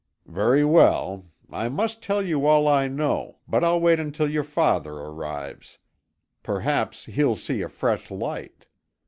"Very well. I must tell you all I know, but I'll wait until your father arrives. Perhaps he'll see a fresh light.